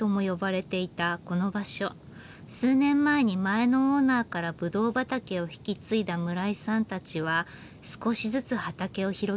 数年前に前のオーナーからぶどう畑を引き継いだ村井さんたちは少しずつ畑を広げてきました。